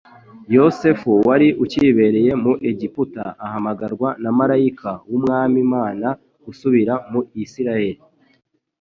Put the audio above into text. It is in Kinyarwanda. Yosefu wari ucyibereye mu Egiputa ahamagarwa na malayika w'Umwami Imana gusubira mu Isirayeli.